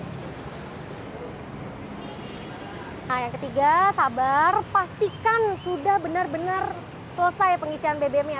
nah yang ketiga sabar pastikan sudah benar benar selesai pengisian bbm nya